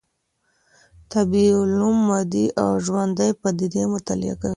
طبيعي علوم مادي او ژوندۍ پديدې مطالعه کوي.